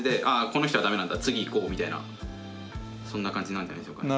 この人はダメなんだ次いこうみたいなそんな感じなんじゃないでしょうか。